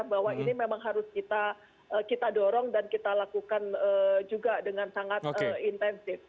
bahwa ini memang harus kita dorong dan kita lakukan juga dengan sangat intensif